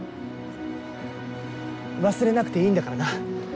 忘れなくていいんだからな。